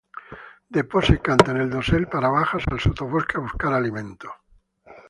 De posa y canta en el dosel, pero baja al sotobosque a buscar alimento.